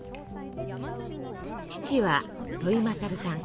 父は土井勝さん。